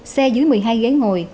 xe dưới một mươi hai ghế ngồi